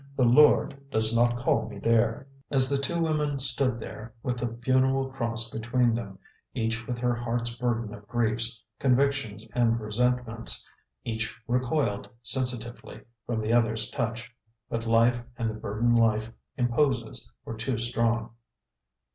The Lord does not call me there." As the two women stood there, with the funeral cross between them, each with her heart's burden of griefs, convictions and resentments, each recoiled, sensitively, from the other's touch. But life and the burden life imposes were too strong.